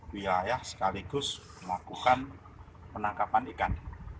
wilayah sekaligus melakukan penangkapan ikan